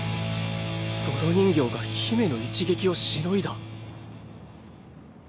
泥人形が姫の一撃をしのいだ？